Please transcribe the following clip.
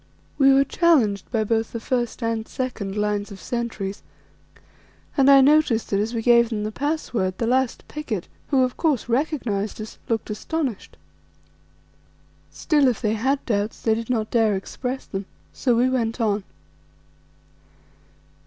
We were challenged by both the first and second lines of sentries, and I noticed that as we gave them the password the last picket, who of course recognized us, looked astonished. Still, if they had doubts they did not dare to express them. So we went on.